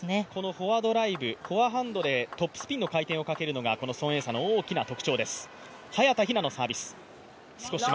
フォアドライブ、フォアハンドでトップスピンの回転をかけるのが孫エイ莎の大きな特徴です。